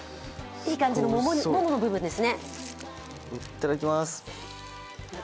いい感じの、ももの部分ですね。